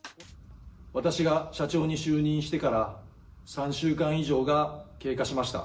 私が社長に就任してから３週間以上が経過しました。